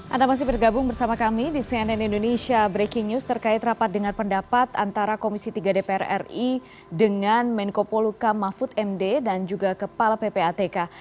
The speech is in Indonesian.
anda masih bergabung bersama kami di cnn indonesia breaking news terkait rapat dengan pendapat antara komisi tiga dpr ri dengan menko poluka mahfud md dan juga kepala ppatk